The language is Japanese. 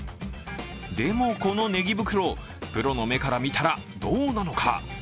でも、このねぎ袋、プロの目から見たらどうなのか。